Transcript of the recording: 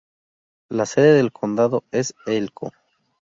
La sede del condado es Elko.